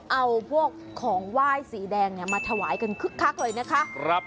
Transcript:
เอาพวกของไหว้สีแดงมาถวายกันคึกคักเลยนะคะ